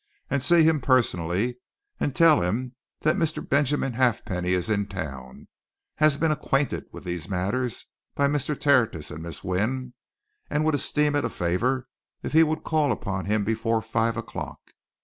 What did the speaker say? and see him personally and tell him that Mr. Benjamin Halfpenny is in town, has been acquainted with these matters by Mr. Tertius and Miss Wynne, and would esteem it a favour if he would call upon him before five o'clock.